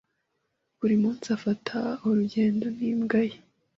Buri munsi afata urugendo n'imbwa ye.